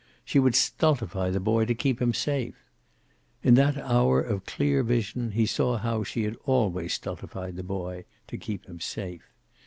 She would stultify the boy to keep him safe. In that hour of clear vision he saw how she had always stultified the boy, to keep him safe.